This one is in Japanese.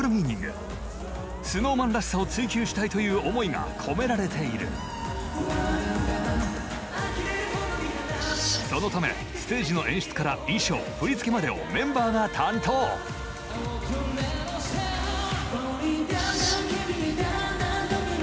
「ＳｎｏｗＭａｎらしさを追求したい」という思いが込められているそのためステージの演出から衣装振り付けまでをメンバーが担当「Ｆａｌｌｉｎ’Ｄｏｗｎ，Ｄｏｗｎ君にＤａｎ，Ｄａｎ溶ける」